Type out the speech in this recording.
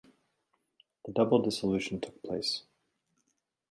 The double dissolution took place.